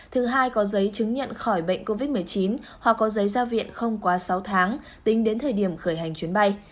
thứ hai có giấy chứng nhận khỏi bệnh covid một mươi chín hoặc có giấy gia viện không quá sáu tháng tính đến thời điểm khởi hành chuyến bay